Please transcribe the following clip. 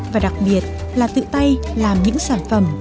và đặc biệt là tự tay làm những sản phẩm